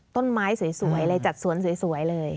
ต้นไม้สวยเลยจัดสวนสวยเลย